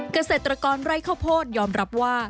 เกษตรกรไร่ข้าวโพดยอมรับว่า